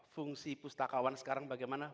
fungsi pustakawan sekarang bagaimana